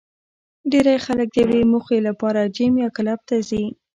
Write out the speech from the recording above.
ډېری خلک د یوې موخې سره جېم یا کلب ته ځي